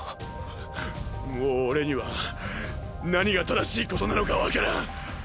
もう俺には何が正しいことなのかわからん。